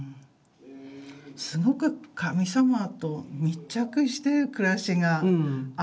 すごく神様と密着してる暮らしがあったんですよね。